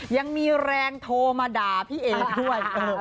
ยังมีแรงโทรมาด่าพี่เอด้วย